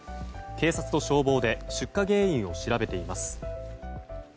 警察と消防で出火原因を調べています。